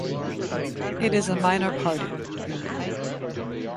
It is a minor party.